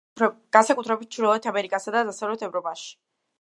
განსაკუთრებით ჩრდილოეთ ამერიკასა და დასავლეთ ევროპაში.